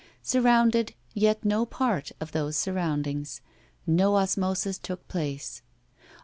Surrounded, yet no part of those surroundings. No osmosis took place.